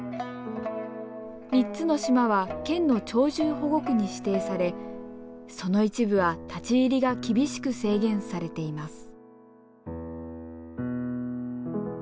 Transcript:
３つの島は県の鳥獣保護区に指定されその一部は立ち入りが厳しく制限されています。